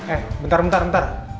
eh bentar bentar bentar